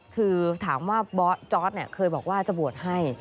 คือถามว่าจอร์ดเคยบอกว่าจะบวชให้